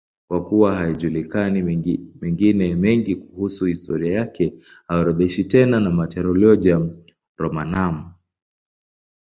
Kwa kuwa hayajulikani mengine mengi kuhusu historia yake, haorodheshwi tena na Martyrologium Romanum.